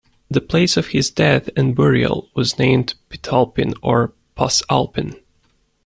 The place of his death and burial was named Pitalpin or Pas-alpin.